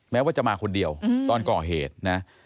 แม้ว่าจะมาคนเดียวตอนก่อเหตุนะ